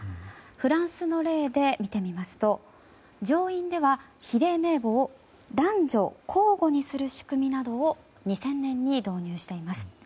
フランスの例で見てみますと上院では比例名簿を男女交互にする仕組みなどを２０００年に導入しています。